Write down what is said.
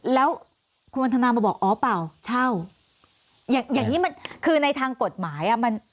แล้วคุณวันทนามาบอกอ๋อเปล่าเช่าอย่างนี้คือในทางกฎหมาย